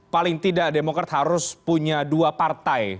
paling tidak demokrat harus punya dua partai